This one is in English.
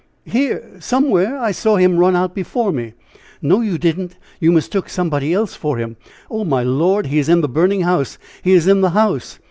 Here, somewhere. I saw him run out before me." "No, you didn't! You mistook somebody else for him. Oh, my Lord! he is in the burning house! he is in the house!"